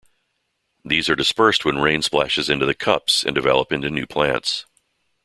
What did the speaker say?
These are dispersed when rain splashes into the cups and develop into new plants.